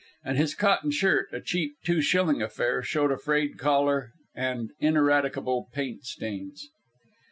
And his cotton shirt, a cheap, two shilling affair, showed a frayed collar and ineradicable paint stains.